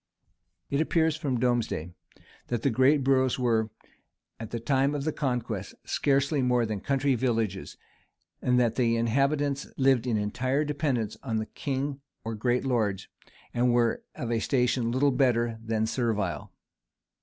It appears from Domesday, that the greatest boroughs were, at the time of the conquest, scarcely more than country villages; and that the inhabitants lived in entire dependence on the king or great lords, and were of a station little better than servile.